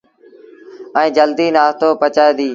ائيٚݩ جلديٚ نآستو پچائيٚݩ ديٚݩ۔